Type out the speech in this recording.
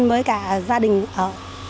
với cả gia đình ở